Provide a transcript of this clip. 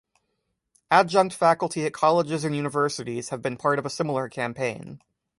Adjunct faculty at colleges and universities have been part of a similar campaign.